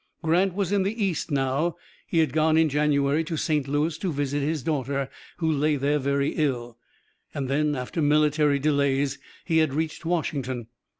Grant was in the East now. He had gone in January to St. Louis to visit his daughter, who lay there very ill, and then, after military delays, he had reached Washington.